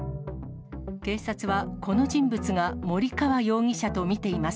警察は、この人物が森川容疑者と見ています。